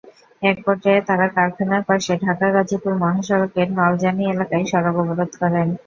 একপর্যায়ে তাঁরা কারখানার পাশে ঢাকা-গাজীপুর সড়কের নলজানী এলাকায় সড়ক অবরোধ করেন।